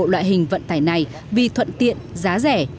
loại hình vận tải này vì thuận tiện giá rẻ